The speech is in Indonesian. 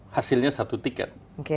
hasilnya satu tiket